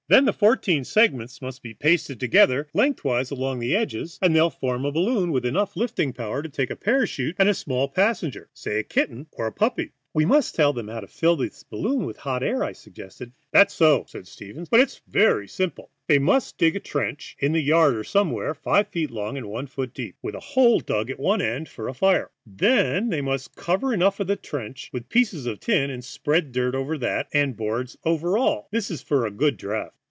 Then the fourteen segments must be pasted together lengthwise along the edges, and they will form a balloon with enough lifting power to take up a parachute and small passenger, say a kitten or a puppy." "We must tell them how to fill this balloon with hot air," I suggested. "That's so," said Stevens. "Well, it's very simple. They must dig a trench, in the yard or somewhere, five feet long and one foot deep, with a hole dug at one end for a fire. Then they must cover over the trench with pieces of tin and spread dirt over that, and boards over all; this is for a good draught.